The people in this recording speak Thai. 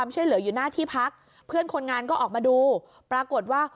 ช่วยเหลืออยู่หน้าที่พักเพื่อนคนงานก็ออกมาดูปรากฏว่า